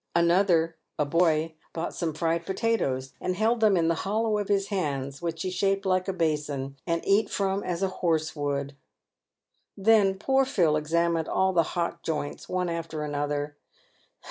Another, a boy, bought some fried potatoes and held them in the hollow of his hands, which he shaped like a basin, and eat from as a horse would. Then poor Phil examined all the hot joints one after another.